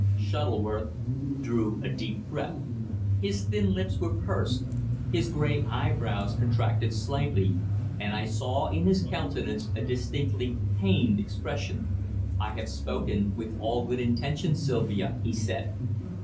Shuttleworth drew a deep breath. His thin lips were pursed; his grey eyebrows contracted slightly, and I saw in his countenance a distinctly pained expression. "I have spoken with all good intention, Sylvia," he said.